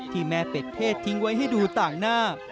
ที่แม่เป็ดเทศทิ้งไว้ให้ดูต่างหน้า